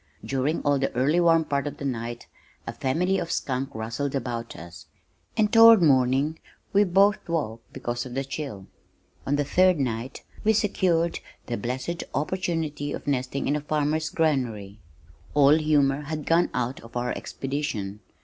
During all the early warm part of the night a family of skunks rustled about us, and toward morning we both woke because of the chill. On the third night we secured the blessed opportunity of nesting in a farmer's granary. All humor had gone out of our expedition.